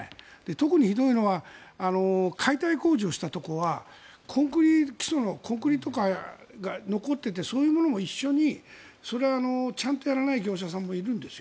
特にひどいのは解体工事をしたところは基礎のコンクリとかが残っててそういうものも一緒にちゃんとやらない業者さんもいるんです。